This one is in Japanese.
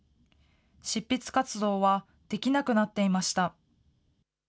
執筆活動はできなくなっていました。